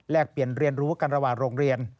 เปลี่ยนเรียนรู้กันระหว่างโรงเรียน